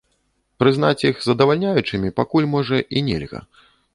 Прызнаць іх здавальняючымі пакуль, можа, і нельга.